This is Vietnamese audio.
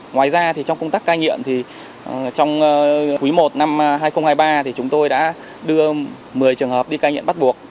ngoài ra trong công tác cai nghiện thì trong quý i năm hai nghìn hai mươi ba thì chúng tôi đã đưa một mươi trường hợp đi cai nghiện bắt buộc